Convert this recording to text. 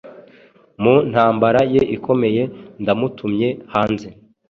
Mu ntambara ye ikomeye, ndamutumye hanze